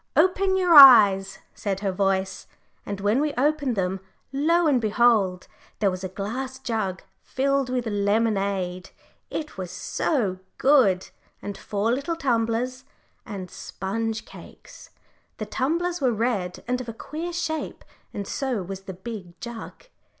"Open your eyes," said her voice, and when we opened them, lo and behold! there was a glass jug filled with lemonade it was so good and four little tumblers, and sponge cakes. The tumblers were red and of a queer shape, and so was the big jug.